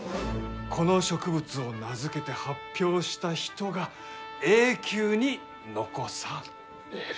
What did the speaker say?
この植物を名付けて発表した人が永久に残される。